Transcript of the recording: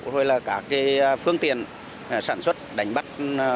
hoặc là các cái phương tiện sản xuất đánh bắt